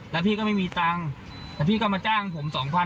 แล้วพี่ก็ไม่มีตังค์แต่พี่ก็มาจ้างผม๒๐๐๐